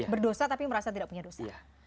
berdosa tapi merasa tidak punya dosa